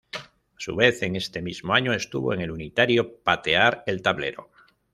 A su vez en ese mismo año estuvo en el unitario "Patear el tablero".